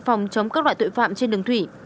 phòng chống các loại tội phạm trên đường thủy